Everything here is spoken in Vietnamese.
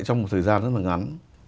trong một thời gian rất là ngắn